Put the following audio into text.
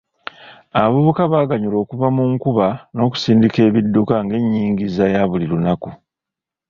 Abavubuka baganyulwa okuva mu nkuba n'okusindika ebidduka ng'enyingiza ya buli lunaku.